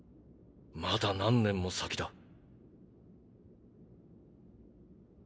まだ何年も先だ。